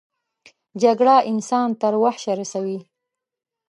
جګړه انسان تر وحشه رسوي